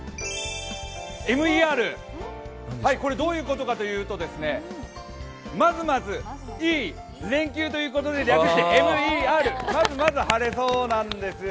ＭＥＲ、これ、どういうことかというとまずまず、いい、連休ということで略してＭＥＲ、まずまず晴れそうなんですよ。